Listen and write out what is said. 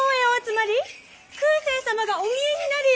空誓様がお見えになるよ！